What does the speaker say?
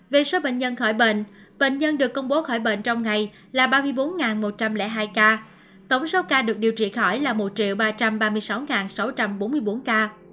về số bệnh nhân khỏi bệnh bệnh nhân được công bố khỏi bệnh trong ngày là ba mươi bốn một trăm linh hai ca tổng số ca được điều trị khỏi là một ba trăm ba mươi sáu sáu trăm bốn mươi bốn ca